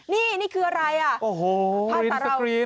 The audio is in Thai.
นี่นี่คืออะไร